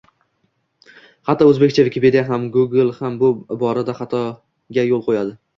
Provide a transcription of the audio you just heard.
Hatto oʻzbekcha Vikipediya ham, Google ham bu iborada xatoga yoʻl qoʻyadi